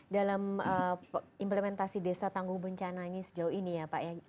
dalam implementasi desa tangguh bencana ini sejauh ini ya pak ya